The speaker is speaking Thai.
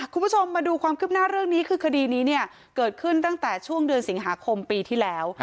คุณผู้ชมมาดูความคืบหน้าเรื่องนี้คือคดีนี้เนี่ยเกิดขึ้นตั้งแต่ช่วงเดือนสิงหาคมปีที่แล้ว